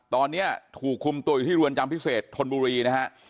ตอนนี้ถูกคุมตัวอยู่ที่รวนจำพิเศษธนบุรีนะฮะ